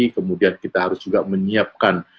kemudian kita harus juga menyiapkan